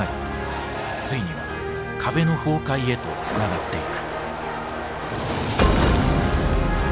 ついには壁の崩壊へとつながっていく。